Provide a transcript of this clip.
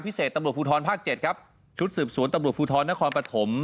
ตำรวจภูทรภาค๗ครับชุดสืบสวนตำรวจภูทรนครปฐม